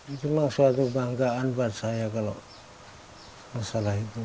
itu memang suatu kebanggaan buat saya kalau masalah itu